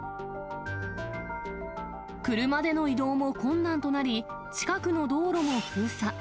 車での移動も困難となり、近くの道路も封鎖。